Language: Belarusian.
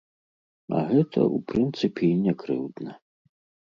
А гэта, у прынцыпе і не крыўдна.